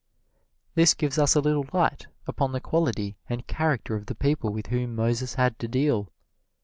This gives us a little light upon the quality and character of the people with whom Moses had to deal.